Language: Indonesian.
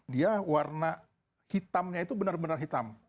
dia warna hitamnya itu benar benar hitam